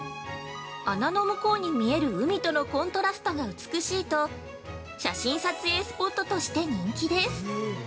穴の向こうに見える海とのコントラストが美しいと、写真撮影スポットとして人気です。